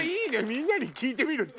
みんなに聞いてみるっていいね。